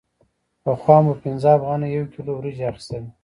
پخوا مو په پنځه افغانیو یو کیلو وریجې اخیستلې